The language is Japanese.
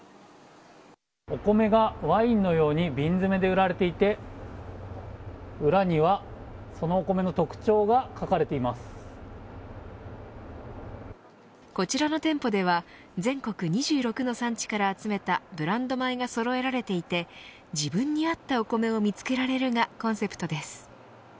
お米がワインのように瓶詰めで売られていて裏にはそのお米の特徴がこちらの店舗では全国２６の産地から集めたブランド米がそろえられていて自分に合ったお米を見つけられるがコンセプトです。